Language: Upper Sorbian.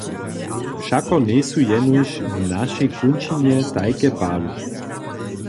Wšako njejsu jenož w našej kónčinje tajke pady.